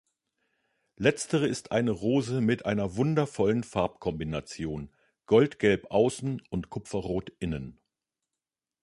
Letztere ist eine Rose mit einer wundervollen Farbkombination, goldgelb außen und kupferrot innen.